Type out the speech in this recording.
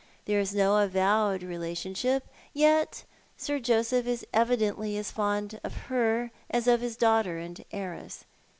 There is no avowed relationship, yet Sir Joseph is evidently as fond of her as of his daughter and heiress.